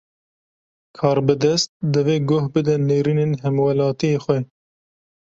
Karbidest, divê guh bide nêrînin hemwelatiyê xwe